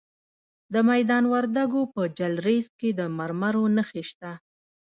د میدان وردګو په جلریز کې د مرمرو نښې شته.